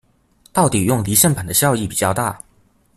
到底用離線版的效益比較大